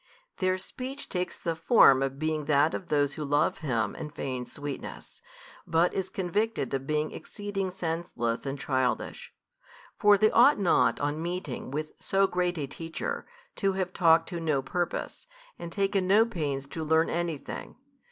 Their speech takes the form of being that of those who love Him and feigns sweetness, but is convicted of being exceeding senseless and childish. For they ought not on meeting with so great a teacher, to have talked to no purpose, and taken no pains to learn anything.